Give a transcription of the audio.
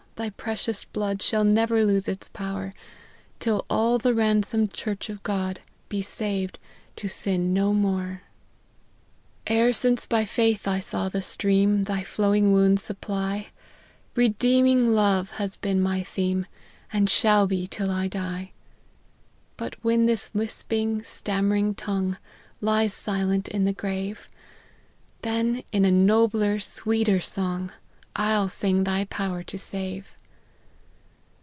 thy precious blood Shall never lose its power, Till all the ransomed church of God Be saved, to sin no more. LIFE OF HENRY MARTYN. 97 ' E'er since by faith I saw the stream Thy flowing wounds supply, Redeeming love has been my theme, And shall be till I die. ' But when this lisping, stammering tongue Lies silent in the grave, Then, in a nobler, sweeter song, I'll sing thy power to save.